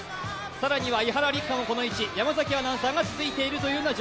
更には伊原六花のこの位置、山崎アナウンサーが続いています。